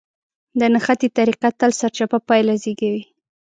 د نښتې طريقه تل سرچپه پايله زېږوي.